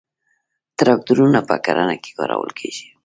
تراکتورونه په کرنه کې کارول کیږي